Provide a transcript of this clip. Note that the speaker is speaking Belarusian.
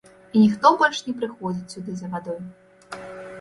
І ніхто больш не прыходзіць сюды за вадой.